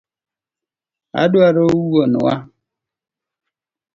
Adwaro wuon wa.